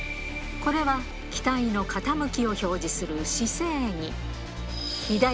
これは機体の傾きを表示する姿勢儀。